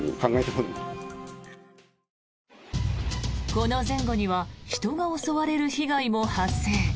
この前後には人が襲われる被害も発生。